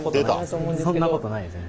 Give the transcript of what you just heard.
そんなことない全然。